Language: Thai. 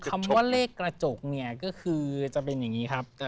คำว่าเลขกระจกเนี่ยก็คือจะเป็นอย่างนี้ครับ